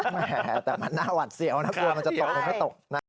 แม่แต่มันน่าหวัดเสียวนะครับมันจะตกมันจะตก